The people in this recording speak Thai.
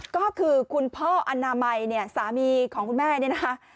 ก็คือคุณพ่ออนามัยเนี่ยสามีของคุณแม่เนี่ยนะคะ